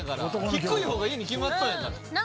低い方がいいに決まっとんやから。